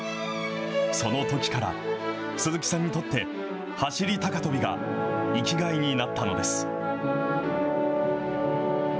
そのときから鈴木さんにとって、走り高跳びが生きがいになったのです。